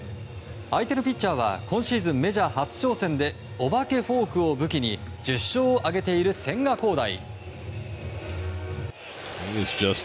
相手のピッチャーは今シーズンメジャー初挑戦でお化けフォークを武器に１０勝を挙げている千賀滉大。